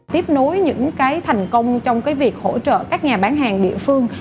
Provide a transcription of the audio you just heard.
tiếp nối những cái thành công trong việc hỗ trợ các nhà bán hàng địa phương